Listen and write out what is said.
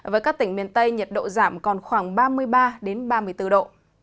với các tỉnh miền tây nhiệt độ giảm còn khoảng ba mươi ba ba mươi bốn độ